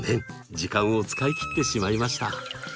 時間を使い切ってしまいました。